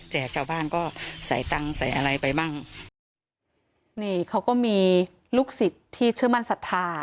ชาวบ้านก็ใส่ตังค์ใส่อะไรไปบ้างนี่เขาก็มีลูกศิษย์ที่เชื่อมั่นศรัทธา